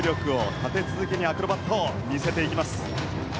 立て続けにアクロバティックで見せていきます。